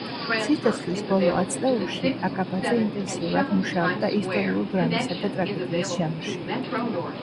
სიცოცხლის ბოლო ათწლეულში კაკაბაძე ინტენსიურად მუშაობდა ისტორიულ დრამისა და ტრაგედიის ჟანრში.